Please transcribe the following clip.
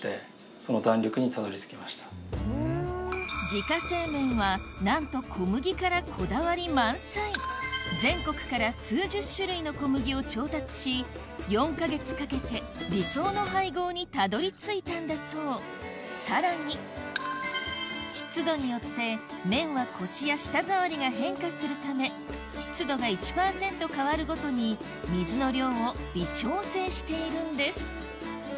自家製麺はなんと小麦からこだわり満載全国から数十種類の小麦を調達し４か月かけて理想の配合にたどり着いたんだそうさらに湿度によって麺はコシや舌触りが変化するため湿度が１％変わるごとに水の量を微調整しているんです